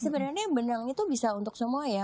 sebenarnya benangnya itu bisa untuk semua ya